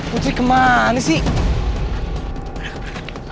putri kemana sih